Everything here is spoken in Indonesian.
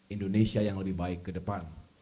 indonesia yang lebih baik ke depan